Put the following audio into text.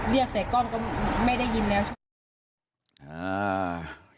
เรียกใส่กล้องก็ไม่ได้ยินแล้ว